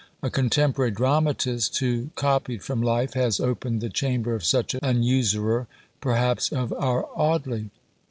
A contemporary dramatist, who copied from life, has opened the chamber of such an Usurer, perhaps of our Audley.